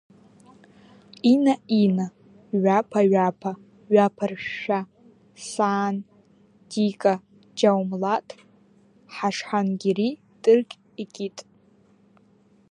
Ина-ина, ҩаԥа-ҩаԥа, ҩаԥаршәшәа, саан, Дика, џьаумлаҭ, ҳашҳангьери тыркь икит!